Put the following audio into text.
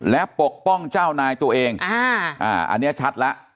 และปกป้องเจ้านายตัวเองอันนี้ชัดแล้ว